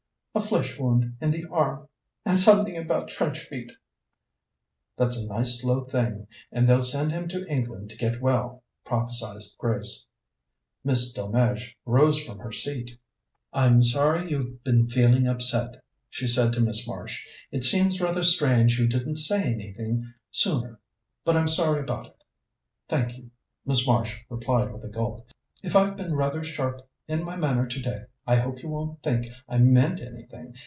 "A flesh wound in the arm, and something about trench feet." "That's a nice slow thing, and they'll send him to England to get well," prophesied Grace. Miss Delmege rose from her seat. "I'm sorry you've been feeling upset," she said to Miss Marsh. "It seems rather strange you didn't say anything sooner, but I'm sorry about it." "Thank you," Miss Marsh replied with a gulp. "If I've been rather sharp in my manner today, I hope you won't think I meant anything.